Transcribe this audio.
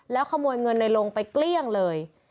แล้วขโมยเงินในลงไปเกลี้ยงเลย